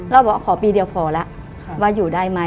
เราบอกว่าขอปีเดียวพอแล้วว่าอยู่ได้ไหม